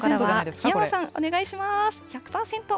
檜山さん、お願いします。